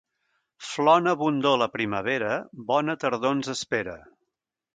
Flor en abundor a la primavera, bona tardor ens espera.